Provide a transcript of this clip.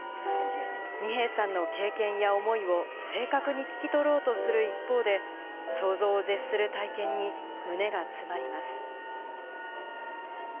二瓶さんの経験や思いを正確に聞き取ろうとする一方で、想像を絶する体験に、胸が詰まります。